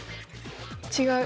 違う。